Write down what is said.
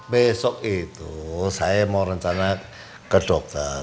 besok itu saya mau rencana ke dokter